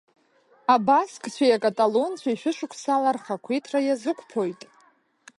Абаскцәеи акаталонцәеи шәышықәсала рхақәиҭра иазықәԥоит.